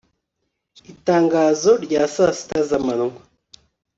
itangazo rya sa sita zamanywa